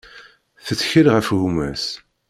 Tettkel ɣef gma-s.